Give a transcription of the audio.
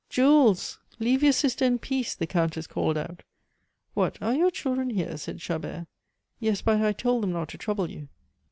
"Jules, leave your sister in peace," the Countess called out. "What, are your children here?" said Chabert. "Yes, but I told them not to trouble you."